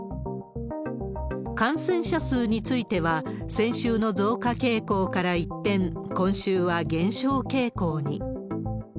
感染者数については、先週の増加傾向から一転、今週は減少傾向に。